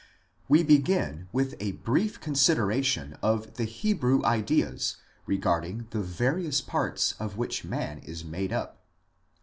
We begin with a brief consideration of the Hebrew ideas regarding the various parts of which man is made up.